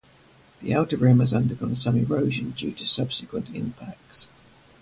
The outer rim has undergone some erosion due to subsequent impacts.